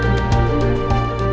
saya antar ya